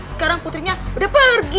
sekarang putrinya udah pergi